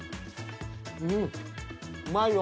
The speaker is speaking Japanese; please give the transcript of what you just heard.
うんうまいよ。